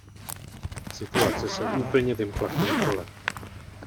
Situace se úplně vymkla kontrole.